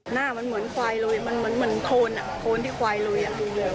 หน้ามันเหมือนควายลุยมันเหมือนโคนอ่ะโคนที่ควายลุยดูเลย